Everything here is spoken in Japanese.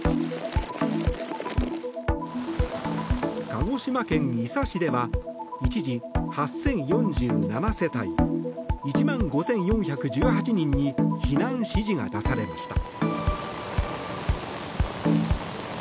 鹿児島県伊佐市では一時８０４７世帯１万５４１８人に避難指示が出されました。